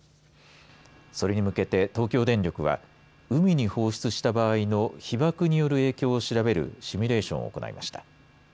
それに向けて東京電力は海に放出した場合の被ばくによる影響を調べるシミュレーションを行いました。